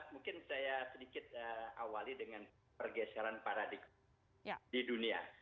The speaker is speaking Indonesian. mungkin saya sedikit awali dengan pergeseran paradigma di dunia